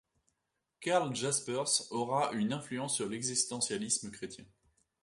Karl Jaspers aura une influence sur l'existentialisme chrétien.